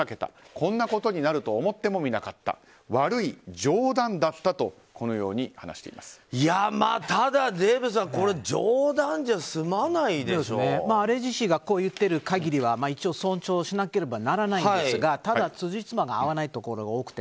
こんなことになるとは思ってもみなかったデーブさん、これアレジ氏がこう言っている限りは一応、尊重しなければならないんですがただ、つじつまが合わないところが多くて。